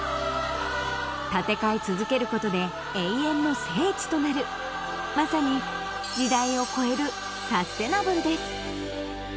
建て替え続けることで永遠の聖地となるまさに時代を超えるサステナブルです